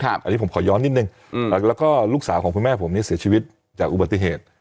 อันนี้ผมขอย้อนนิดนึงแล้วก็ลูกสาวของคุณแม่ผมนี่เสียชีวิตจากอุบัติเหตุ